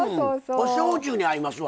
これ焼酎に合いますわ。